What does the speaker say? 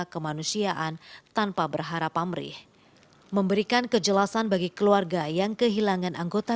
kemanusiaan tanpa berharap amrih memberikan kejelasan bagi keluarga yang kehilangan anggota